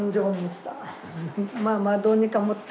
まあまあどうにかもった？